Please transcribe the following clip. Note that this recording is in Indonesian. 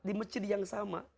di masjid yang sama